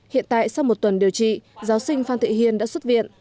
hiện tại sau một tuần điều trị giáo sinh phan thị hiên đã xuất viện